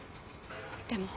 でも